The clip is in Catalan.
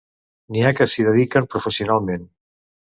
N'hi ha que s'hi dediquen professionalment.